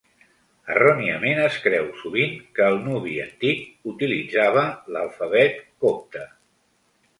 Erròniament es creu, sovint, que el nubi antic utilitzava l'alfabet copte.